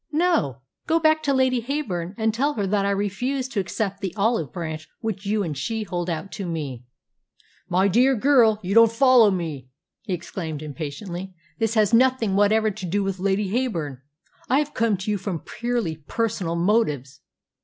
"No; go back to Lady Heyburn and tell her that I refuse to accept the olive branch which you and she hold out to me." "My dear girl, you don't follow me," he exclaimed impatiently. "This has nothing whatever to do with Lady Heyburn. I have come to you from purely personal motives.